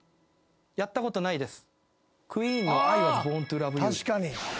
やったことないです。